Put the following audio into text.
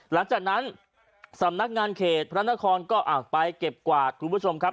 หลังจากนั้นสำนักงานเขตพระนครก็ไปเก็บกวาดคุณผู้ชมครับ